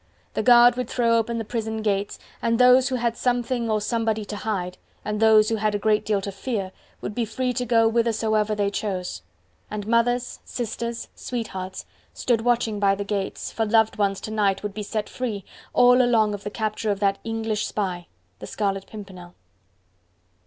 The guard would throw open the prison gates, and those who had something or somebody to hide, and those who had a great deal to fear, would be free to go whithersoever they chose. And mothers, sisters, sweethearts stood watching by the gates, for loved ones to night would be set free, all along of the capture of that English spy, the Scarlet Pimpernel.